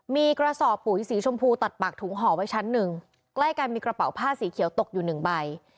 มีกระสอบปุ๋ยสีชมพูตัดปากถุงห่อไว้ชั้นหนึ่งใกล้กันมีกระเป๋าผ้าสีเขียวตกอยู่หนึ่งใบ